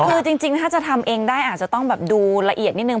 คือจริงถ้าจะทำเองได้อาจจะต้องแบบดูละเอียดนิดนึ